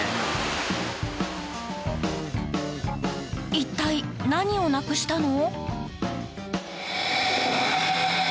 一体、何をなくしたの？